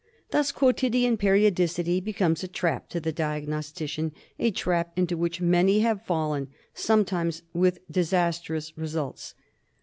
Thus quotidian periodicity becomes a trap to the diagnostician ; a trap into which many have fallen, sometimes with disas trous results.